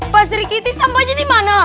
pasir kiti sampahnya dimana